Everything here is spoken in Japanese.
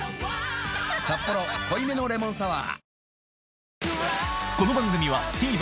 「サッポロ濃いめのレモンサワー」